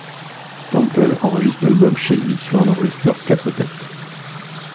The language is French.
Temple enregistre l'album chez lui sur un enregistreur quatre têtes.